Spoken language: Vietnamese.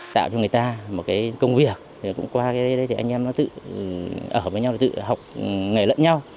tạo cho người ta một công việc qua đây anh em tự ở với nhau tự học nghề lẫn nhau